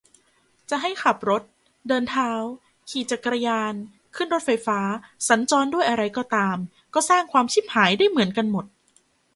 จะให้ขับรถ เดินเท้า ขี่จักรยาน ขึ้นรถไฟฟ้า สัญจรด้วยอะไรก็ตาม ก็สร้างความชิบหายได้เหมือนกันหมด